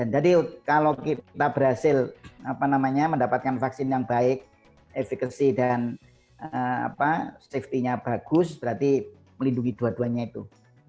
kalau kita berhasil mendapatkan vaksin yang baik efekasi dan safety nya bagus berarti melindungi dua duanya itu